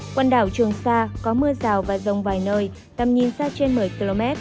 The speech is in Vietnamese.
quần đảo trường sa có mưa rào và rông vài nơi tầm nhìn xa trên một mươi km